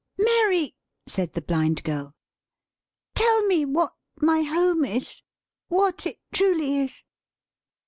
"Mary," said the Blind Girl, "tell me what my Home is. What it truly is."